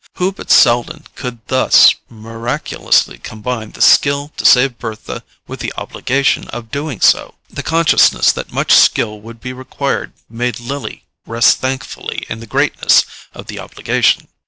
Who but Selden could thus miraculously combine the skill to save Bertha with the obligation of doing so? The consciousness that much skill would be required made Lily rest thankfully in the greatness of the obligation.